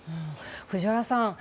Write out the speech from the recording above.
藤原さん。